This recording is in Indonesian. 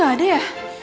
emang gak ada ya